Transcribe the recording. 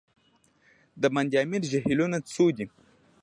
د بند امیر جهیلونه څو دي؟